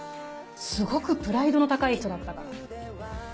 すごくプライドの高い人だったから。